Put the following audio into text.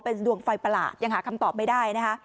เป็นดวงไฟประหลาดยังหาคำตอบไม่ได้นะคะ